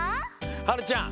はるちゃん